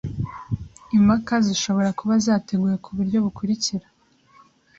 Impaka zishobora kuba zateguwe kuburyo bukurikira